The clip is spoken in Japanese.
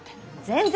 全然。